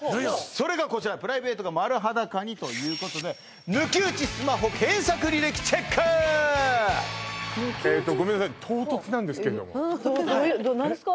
それがこちら「プライベートが丸裸に！？」ということでえーっとごめんなさい唐突なんですけれども何ですか？